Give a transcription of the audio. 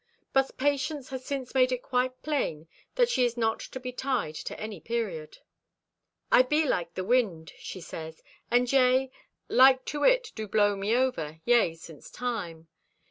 But Patience has since made it quite plain that she is not to be tied to any period. "I be like to the wind," she says, "and yea, like to it do blow me ever, yea, since time.